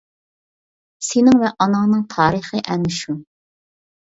سېنىڭ ۋە ئاناڭنىڭ تارىخى ئەنە شۇ.